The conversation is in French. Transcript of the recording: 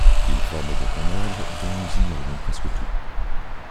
Ils formaient donc un ordre dont nous ignorons presque tout.